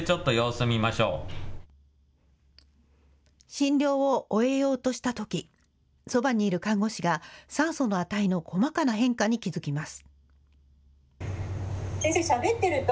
診療を終えようとしたとき、そばにいる看護師が酸素の値の細かな変化に気付きます。